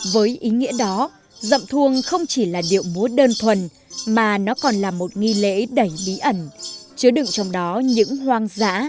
với ý nghĩa đó rậm thuông không chỉ là điệu múa đơn thuần mà nó còn là một nghi lễ đầy bí ẩn chứa đựng trong đó những hoang dã kỳ diệu của núi rừng